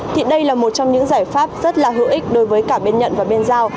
thì đây là một trong những giải pháp rất là hữu ích đối với cả bên nhận và bên giao